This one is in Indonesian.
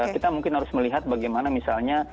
kita mungkin harus melihat bagaimana misalnya